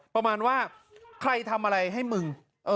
ประมาณว่าใครทำอะไรให้มึง